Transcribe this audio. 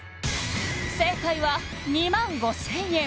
正解は２５０００円